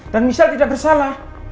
dan michelle tidak bersalah